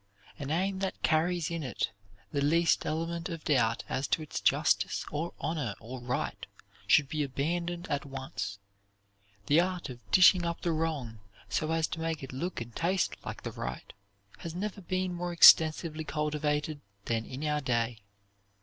An aim that carries in it the least element of doubt as to its justice or honor or right should be abandoned at once. The art of dishing up the wrong so as to make it look and taste like the right has never been more extensively cultivated than in our day.